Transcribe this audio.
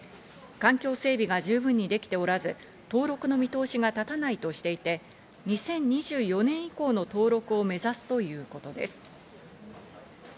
環境整備が十分にできておらず、登録の見通しが立たないとしていて、２０２４年以降の登録を目指すということです。